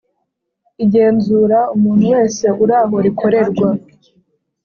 igenzura umuntu wese uri aho rikorerwa